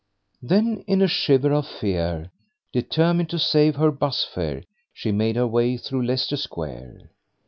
Then, in a shiver of fear, determined to save her 'bus fare, she made her way through Leicester Square.